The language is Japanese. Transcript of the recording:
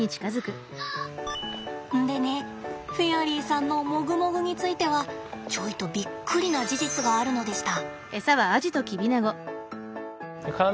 でねフェアリーさんのもぐもぐについてはちょいとびっくりな事実があるのでした。